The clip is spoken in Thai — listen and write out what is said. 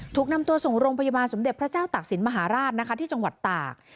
ถูกนำตัวส่งโรงพยาบาลสมเด็จพระเจ้าตักศิลปมหาราชนะคะที่จังหวัดตาก